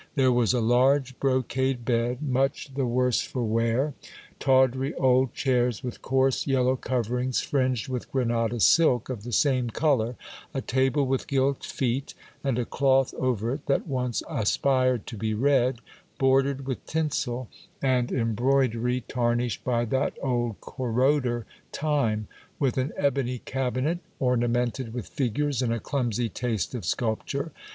There was a large brocade bed much the worse for wear ; tawdry old chairs with coarse yellow coverings, fringed with Grenada silk of the same colour, a table with gilt feet, and a cloth over it that once aspired to be red, bordered with tinsel and embroidery tarnished by that old corroder, time ; with an ebony cabinet, ornamented with figures in a clumsy taste of sculpture.